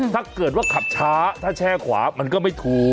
ถ้าเกิดว่าขับช้าถ้าแช่ขวามันก็ไม่ถูก